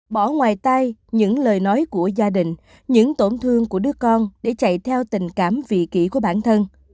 bỏ ngoài tay những lời nói của gia đình những tổn thương của đứa con để chạy theo tình cảm vị kỹ của bản thân